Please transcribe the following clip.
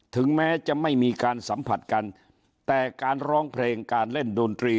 ถึงแม้จะไม่มีการสัมผัสกันแต่การร้องเพลงการเล่นดนตรี